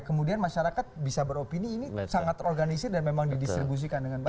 kemudian masyarakat bisa beropini ini sangat terorganisir dan memang didistribusikan dengan baik